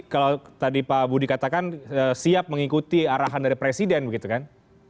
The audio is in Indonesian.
kalau tadi pak budi katakan siap mengikuti arahan dari presiden begitu kan